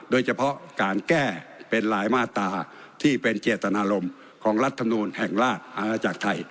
โดยเฉพาะการแก้เป็นหลายมาตราที่เป็นเจตนารมณ์ของรัฐมนูลแห่งราชอาณาจักรไทย